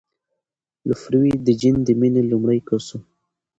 لفروی د جین د مینې لومړی کس و.